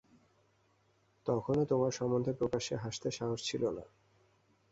তখনও তোমার সম্বন্ধে প্রকাশ্যে হাসতে সাহস ছিল না।